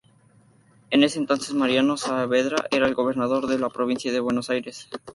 En ese entonces Mariano Saavedra era el gobernador de la provincia de Buenos Aires.